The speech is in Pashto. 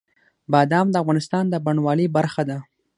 بادام د افغانستان د بڼوالۍ برخه ده.